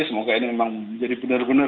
semoga ini memang menjadi benar benar